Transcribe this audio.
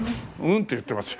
「うん」って言ってます。